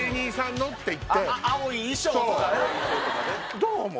どう思う？